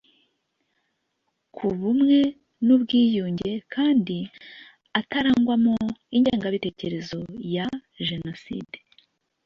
ku bumwe n ubwiyunge kandi atarangwamo ingengabitekerezo ya jenoside